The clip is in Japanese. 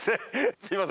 すいません。